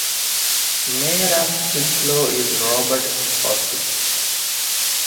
Mayor of Winslow is Robert Hastings.